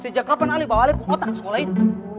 sejak kapan alip bawa alip otak ke sekolah ini